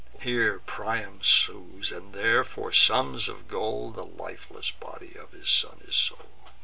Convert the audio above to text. Here Priam sues; and there, for sums of gold, The lifeless body of his son is sold.